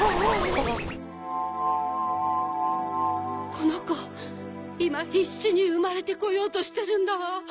このこいまひっしにうまれてこようとしてるんだわ。